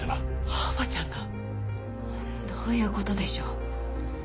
青葉ちゃんが！？どういうことでしょう？